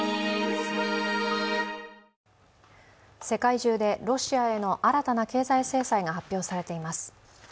世界中でロシアへの新たな経済制裁が発表されています。